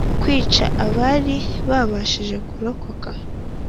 Kwica abari babashije kurokoka